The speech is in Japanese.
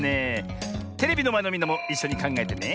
テレビのまえのみんなもいっしょにかんがえてね。